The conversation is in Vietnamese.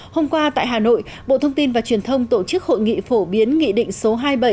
hôm qua tại hà nội bộ thông tin và truyền thông tổ chức hội nghị phổ biến nghị định số hai mươi bảy